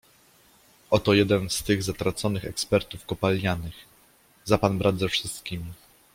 O to jeden z tych zatraconych ekspertów kopalnianych. Za pan brat ze wszystkimi